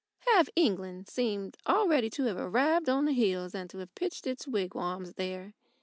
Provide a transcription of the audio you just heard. Half England seemed already to have arrived on the hills, and to have pitched its wigwams there.